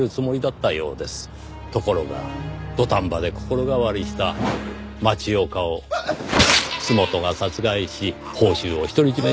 ところが土壇場で心変わりした町岡を洲本が殺害し報酬を独り占めにしようとした。